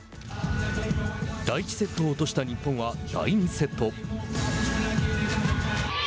第１セットを落とした日本は第２セット。